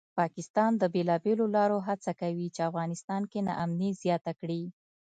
پاکستان د بېلابېلو لارو هڅه کوي چې افغانستان کې ناامني زیاته کړي